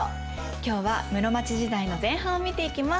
今日は室町時代の前半を見ていきます。